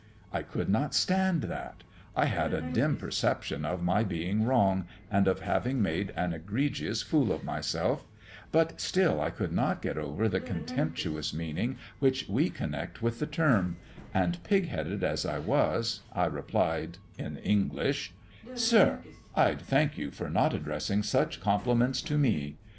I could not stand that. I had a dim perception of my being wrong, and of having made an egregious fool of myself, but still I could not get over the contemptuous meaning which we connect with the term; and pig headed as I was, I replied in English: "'Sir, I'd thank you for not addressing such compliments to me.